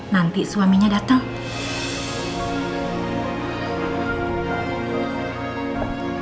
nanti suaminya datang